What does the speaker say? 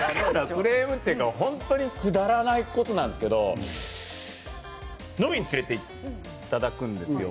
クレームというかくだらないことなんですけど飲みに連れていただくんですよ。